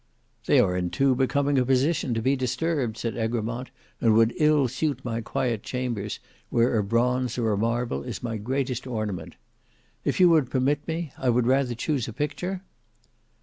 "They are in too becoming a position to be disturbed," said Egremont, "and would ill suit my quiet chambers, where a bronze or a marble is my greatest ornament. If you would permit me, I would rather choose a picture?"